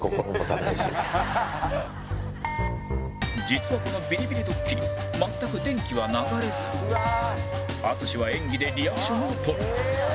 実はこのビリビリドッキリ全く電気は流れず淳は演技でリアクションを取る